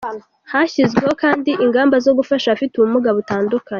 Hashyizweho kandi ingamba zo gufasha abafite ubumuga butandukanye.